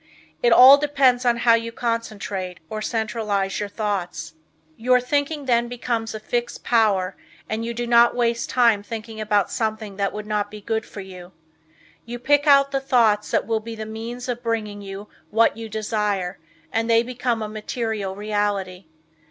It all depends on how you concentrate, or centralize your thoughts. Your thinking then becomes a fixed power and you do not waste time thinking about something that would not be good for you. You pick out the thoughts that will be the means of bringing you what you desire, and they become a material reality.